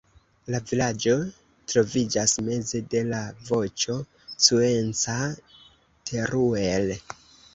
La vilaĝo troviĝas meze de la vojo Cuenca-Teruel.